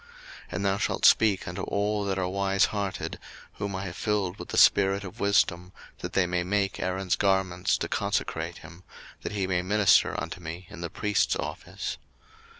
02:028:003 And thou shalt speak unto all that are wise hearted, whom I have filled with the spirit of wisdom, that they may make Aaron's garments to consecrate him, that he may minister unto me in the priest's office.